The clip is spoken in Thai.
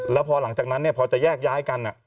แล้วพอหลังจากนั้นพอจะแยกย้ายกัน